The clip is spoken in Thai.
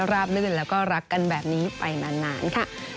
ลื่นแล้วก็รักกันแบบนี้ไปนานค่ะ